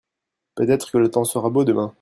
peut-être que le temps sera beau demain.